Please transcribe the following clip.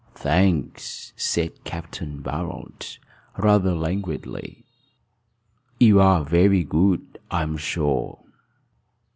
"Tha anks," said Capt. Barold, rather languidly. "You're very good, I'm sure."